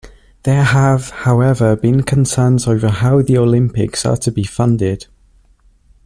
There have, however, been concerns over how the Olympics are to be funded.